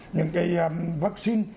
những cái vaccine